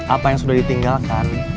apa yang sudah ditinggalkan